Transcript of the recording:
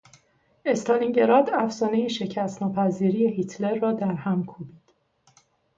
استالینگراد افسانهی شکست ناپذیری هیتلر را در هم کوبید.